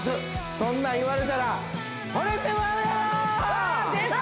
そんなん言われたらわ出た！